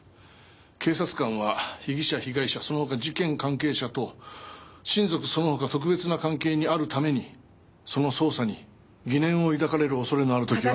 警察官は被疑者被害者その他事件関係者と親族その他特別な関係にあるためにその捜査に疑念をいだかれるおそれのあるときは。